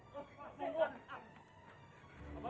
bapak ibu semua sekalian